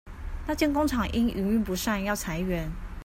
那間工廠因營運不善要裁員